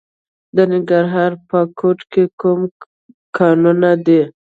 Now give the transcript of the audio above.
د ننګرهار په کوټ کې کوم کانونه دي؟